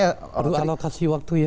perlu alokasi waktu ya